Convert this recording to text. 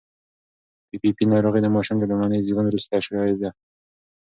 پي پي پي ناروغي د ماشوم د لومړي زېږون وروسته شایع ده.